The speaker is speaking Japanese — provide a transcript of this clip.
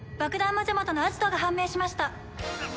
魔ジャマトのアジトが判明しました。